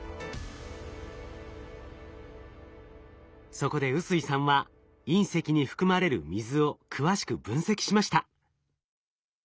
そこで臼井さんは隕石に含まれる水を詳しく分析しました。